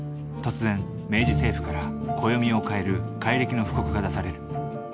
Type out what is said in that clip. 突然明治政府から暦をかえる改暦の布告がなされる。